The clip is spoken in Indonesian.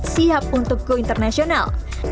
siap untuk go international